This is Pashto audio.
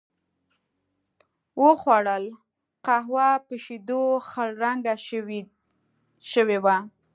و خوړل، قهوه په شیدو خړ رنګه شوې وه.